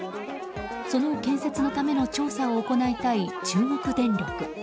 その建設のための調査を行いたい中国電力。